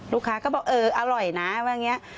ลูกค้าก็บอกเอออร่อยนะว่าอย่างนี้